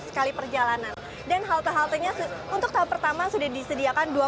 terima kasih translates di atas video d barang